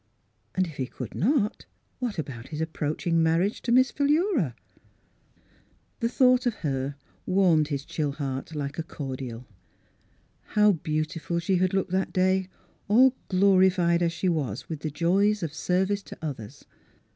And if he could not, what about his ap proaching marriage with Miss Philura? The thought of her warmed his chill heart like a cordial. How beautiful she had looked that day, all glorified as she was with the joys of service to others.